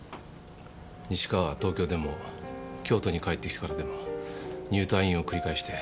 西川は東京でも京都に帰ってきてからでも入退院を繰り返して。